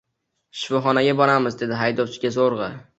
Shifoxonaga boramiz dedi haydovchiga zo‘rg‘a.